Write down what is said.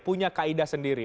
punya kaida sendiri